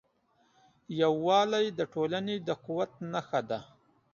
یووالی د ټولنې د قوت نښه ده.